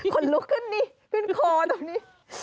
คนลุกขึ้นนี่ขึ้นคอตรงนี้